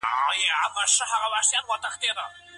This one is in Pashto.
پلار یې رېدی په ماشومتوب کې اصفهان ته بیولی و.